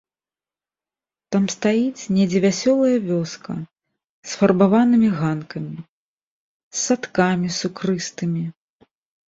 Там стаіць недзе вясёлая вёска з фарбаванымі ганкамі, з садкамі сукрыстымі.